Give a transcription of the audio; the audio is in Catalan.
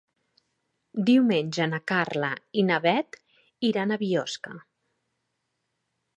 Diumenge na Carla i na Bet iran a Biosca.